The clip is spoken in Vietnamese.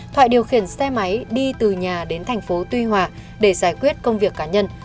thoại điều khiển xe máy đi từ nhà đến thành phố tuy hòa để giải quyết công việc cá nhân